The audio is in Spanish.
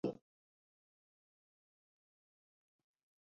La rima que se repite es b, en los versos cuarto y octavo.